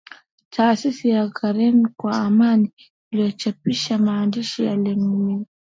taasisi ya carnegie kwa amani ilichapisha maandishi ya Lemkin